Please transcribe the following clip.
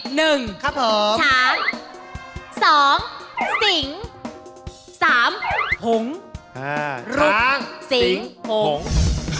หนึ่งช้างสองสิงสามหงค์รุกสิงหงค์ครับ